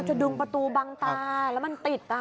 โอ้โฮจะดึงประตูบางตาแล้วมันติด